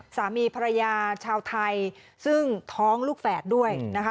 สามีภรรยาชาวไทยซึ่งท้องลูกแฝดด้วยนะคะ